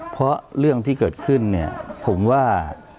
เพราะเรื่องที่เกิดขึ้นเนี่ยผมว่า